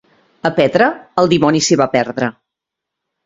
A Petra, el dimoni s'hi va perdre.